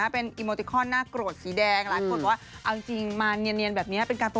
เป็นคนหนุนอิแล้วเหมือนแบบอยากจะละบาย